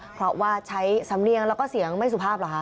เพราะว่าใช้สำเนียงแล้วก็เสียงไม่สุภาพเหรอคะ